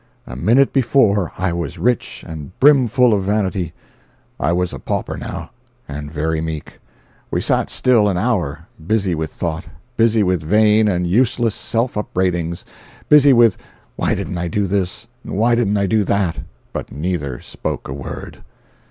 A minute before, I was rich and brimful of vanity; I was a pauper now, and very meek. We sat still an hour, busy with thought, busy with vain and useless self upbraidings, busy with "Why didn't I do this, and why didn't I do that," but neither spoke a word.